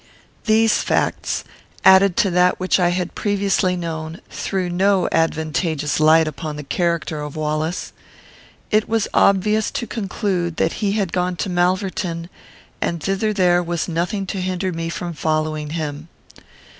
These facts, added to that which I had previously known, threw no advantageous light upon the character of Wallace. It was obvious to conclude that he had gone to Malverton, and thither there was nothing to hinder me from following him.